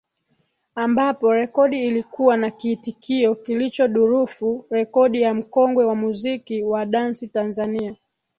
Ambapo rekodi ilikuwa na kiitikio kilichodurufu rekodi ya mkongwe wa muziki wa dansi Tanzania